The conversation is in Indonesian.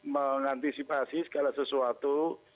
mengantisipasi segala sesuatu